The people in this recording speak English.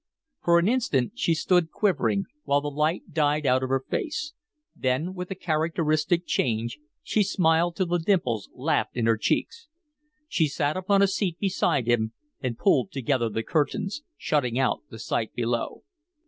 For an instant she stood quivering, while the light died out of her face; then, with a characteristic change, she smiled till the dimples laughed in her cheeks. She sank upon a seat beside him and pulled together the curtains, shutting out the sight below.